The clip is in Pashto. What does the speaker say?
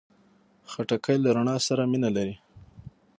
خټکی له رڼا سره مینه لري.